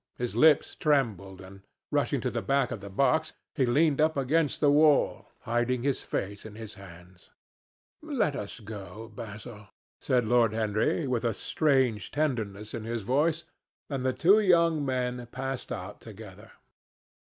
His lips trembled, and rushing to the back of the box, he leaned up against the wall, hiding his face in his hands. "Let us go, Basil," said Lord Henry with a strange tenderness in his voice, and the two young men passed out together.